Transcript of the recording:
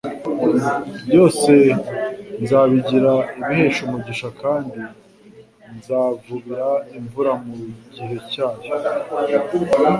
byose nzabigira ibihesha umugisha kandi nzavubira imvura mu gibe cyayo.